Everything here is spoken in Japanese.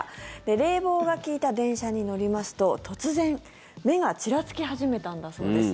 冷房が利いた電車に乗りますと突然、目がちらつき始めたんだそうです。